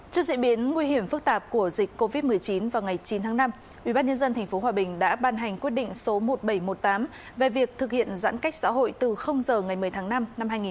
trước diễn biến nguy hiểm phức tạp của dịch covid một mươi chín vào ngày chín tháng năm ubnd tp hòa bình đã ban hành quyết định số một nghìn bảy trăm một mươi tám về việc thực hiện giãn cách xã hội từ giờ ngày một mươi tháng năm năm hai nghìn hai mươi